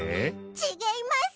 ちげいます！